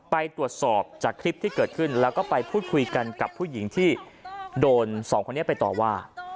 ไปตรวจสอบจากคลิปที่เกิดขึ้นแล้วก็ไปพูดคุยกันกับผู้หญิงที่โดนสองคนนี้ไปต่อว่า